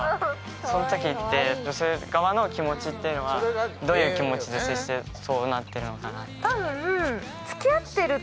そん時って女性側の気持ちっていうのはどういう気持ちで接してそうなってるのかなって多分って思うと思う